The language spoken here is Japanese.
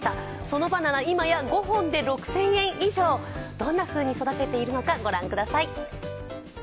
どんなふうに育てているのかご覧ください。